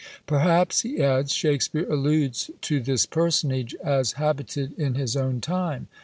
Perhaps, he adds, Shakspeare alludes to this personage, as habited in his own time.